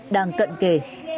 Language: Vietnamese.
đang cận kể